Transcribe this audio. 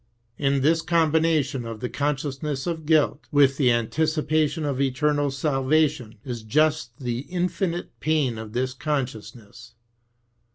And this combination of the con sciousness of guilt w^ith the anticipation of eternal salvation is just the infinite pain of this consciousness.